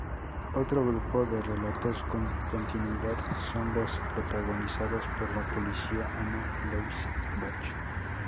Otro grupo de relatos con continuidad son los protagonizados por la policía Anna-Louise Bach.